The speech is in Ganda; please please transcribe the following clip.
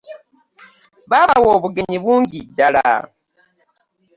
Babawa obugenyi bungi ddala.